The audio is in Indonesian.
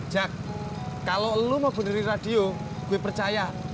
cak kalau lu mau benderin radio gue percaya